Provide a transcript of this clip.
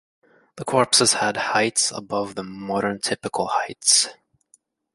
The corpses had heights above the modern typical heights.